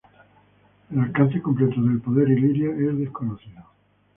El alcance completo del poder Illyria es desconocido.